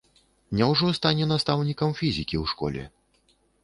Няўжо стане настаўнікам фізікі ў школе?